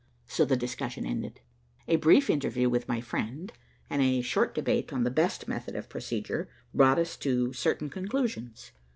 So the discussion ended. A brief interview with my friend, and a short debate on the best method of procedure, brought us to certain conclusions.